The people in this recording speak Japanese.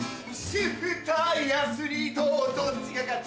主婦対アスリートどっちが勝つ？